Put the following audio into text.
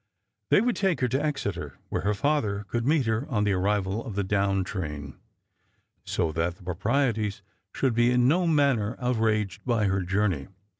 They would take her to Exeter, where her father could meet her on the arrival of the down train; so that the proprieties should be in no manner outraged by her journey.